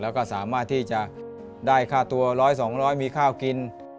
แล้วก็สามารถที่จะได้ค่าตัว๑๐๐๒๐๐มีข้าวกิน